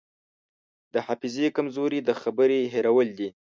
د حافظې کمزوري د خبرې هېرول دي.